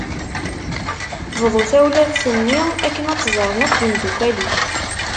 Bḍu tawlaft-nni akken ad tt-ẓren akk yemdukal-ik.